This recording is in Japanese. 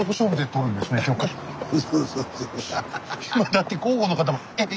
だって広報の方もえっ